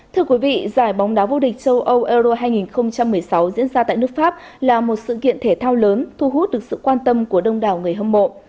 thưa quý vị giải bóng đá vô địch châu âu euro hai nghìn một mươi sáu diễn ra tại nước pháp là một sự kiện thể thao lớn thu hút được sự quan tâm của đông đảo người hâm mộ